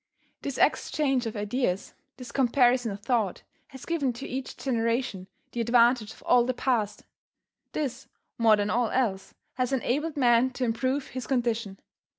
This exchange of ideas, this comparison of thought, has given to each generation the advantage of all the past. This, more than all else, has enabled man to improve his condition.